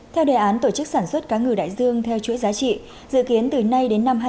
theo đề án tổ chức sản xuất cá ngừ đại dương theo chuỗi giá trị dự kiến từ nay đến năm hai nghìn hai mươi